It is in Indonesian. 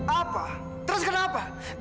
apa terus kenapa gaya jangan protes kok